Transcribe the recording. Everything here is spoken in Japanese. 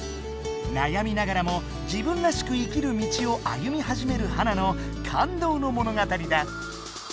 なやみながらも自分らしく生きる道を歩みはじめるハナの感動のものがたりだ。